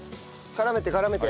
絡めて絡めて。